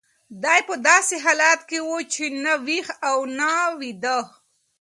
دی په داسې حالت کې و چې نه ویښ و او نه ویده.